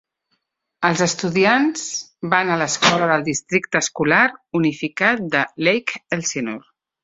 Els estudiants van a l'escola del districte escolar unificat de Lake Elsinore.